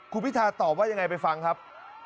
คุณพิธาตอบว่ายังไงไปฟังครับ